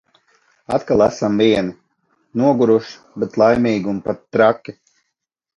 Atkal esam vieni, noguruši, bet laimīgi un pat traki!